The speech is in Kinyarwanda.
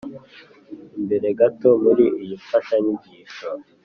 imbere gato muri iyi mfashanyigisho